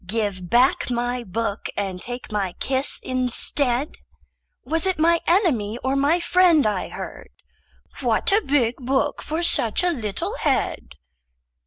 Give back my book and take my kiss instead. Was it my enemy or my friend I heard?— "What a big book for such a little head!"